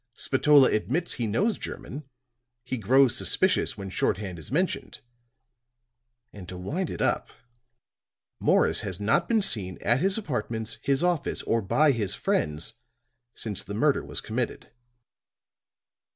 Spatola admits he knows German; he grows suspicious when shorthand is mentioned. And to wind it up, Morris has not been seen at his apartments, his office, or by his friends, since the murder was committed."